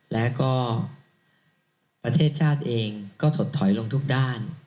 และก็ประเทศชาติเองก็ถดถอยลงทุกด้าน